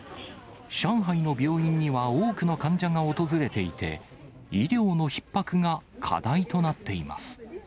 上海の病院には多くの患者が訪れていて、医療のひっ迫が課題となっています。